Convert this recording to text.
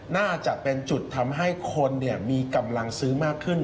น่าจะเป็นจุดทำให้คนมีกำลังซื้อมากขึ้น